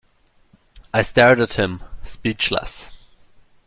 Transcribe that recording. I stared at him, speechless.